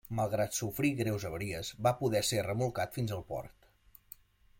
Malgrat sofrir greus avaries, va poder ser remolcat fins al port.